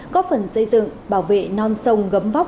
có phần xây dựng bảo vệ non sông gấm mặt